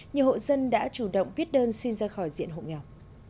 nhiều hộ dân đã chủ động viết đơn xin ra khỏi diện hộ nghèo